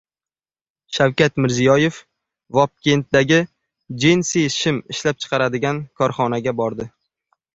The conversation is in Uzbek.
Shavkat Mirziyoyev Vobkentdagi jinsi shim ishlab chiqariladigan korxonaga bordi